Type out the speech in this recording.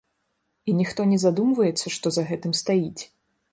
І ніхто не задумваецца, што за гэтым стаіць.